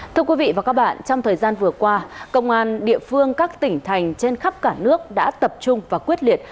thưa quý vị và các bạn trong thời gian vừa qua công an địa phương các tỉnh thành trên khắp cả nước đã tập trung và quyết liệt